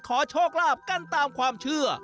ขอโชคลาภกันตามความเชื่อ